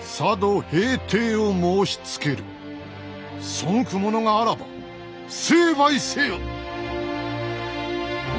背く者があらば成敗せよ」。